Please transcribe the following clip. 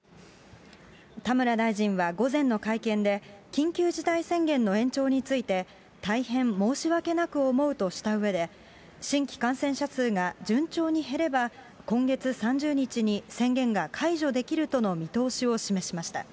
田村大臣は午前の会見で、緊急事態宣言の延長について、大変申し訳なく思うとしたうえで、新規感染者数が順調に減れば、今月３０日に宣言が解除できるとの見通しを示しました。